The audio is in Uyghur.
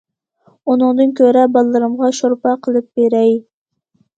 ئۇنىڭدىن كۆرە بالىلىرىمغا شورپا قىلىپ بېرەي.